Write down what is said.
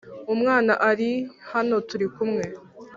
umwana ari hano turi kumwe.